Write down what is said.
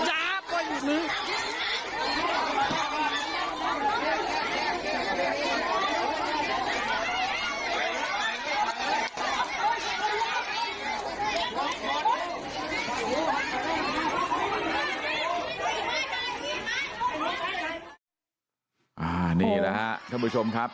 อ่้านี่แหละฮะท่านผู้ชมครับ